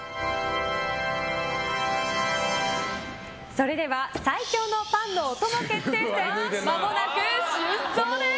それでは最強のパンのお供決定戦まもなく出走です！